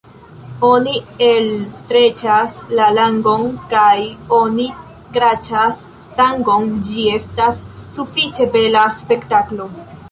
Oni elstreĉas la langon kaj oni kraĉas sangon; ĝi estas sufiĉe bela spektaklo.